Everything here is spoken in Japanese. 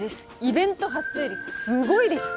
イベント発生率すごいです。